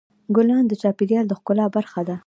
ګلان د چاپېریال د ښکلا برخه ده.